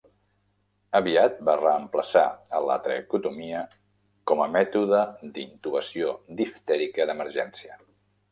Aviat va reemplaçar a la traqueotomia com a mètode d'intubació diftèrica d'emergència.